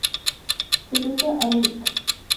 Se asocia a Derek St.